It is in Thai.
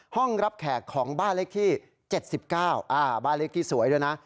ห้องรับแขกของบ้านเลขที่๗๙บ้านเลขที่สวยด้วยนะ